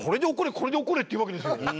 これで怒れ」って言うわけですよ。